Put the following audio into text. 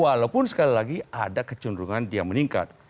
walaupun sekali lagi ada kecenderungan dia meningkat